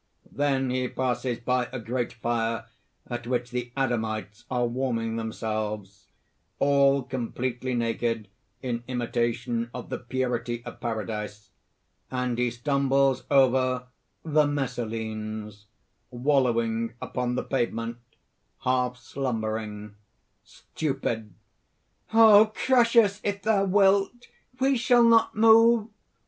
(_Then he passes by a great fire at which the Adamites are warming themselves all completely naked in imitation of the purity of Paradise; and he stumbles over_) THE MESSALINES (wallowing upon the pavement, half slumbering, stupid:) "Oh! crush us if thou wilt! we shall not move!